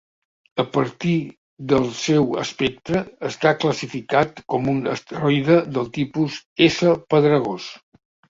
A partir del seu espectre, està classificat com a un asteroide de tipus S pedregós.